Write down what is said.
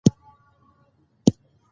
کوه قاف یو افسانوي غر دئ.